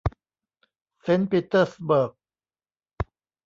เซนต์ปีเตอร์สเบิร์ก